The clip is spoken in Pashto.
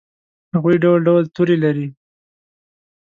هغوي ډول ډول تورې لري